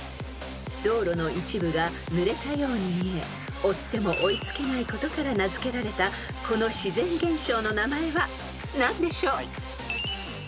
［道路の一部がぬれたように見え追っても追いつけないことから名付けられたこの自然現象の名前は何でしょう？］